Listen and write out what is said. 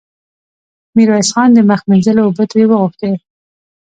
ميرويس خان د مخ مينځلو اوبه ترې وغوښتې.